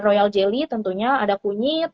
royal jelly tentunya ada kunyit